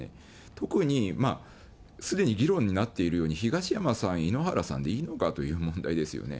特にすでに議論になっているように、東山さん、井ノ原さんでいいのかという問題ですよね。